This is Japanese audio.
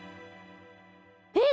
えっ？